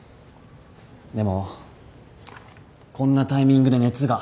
でもこんなタイミングで熱が。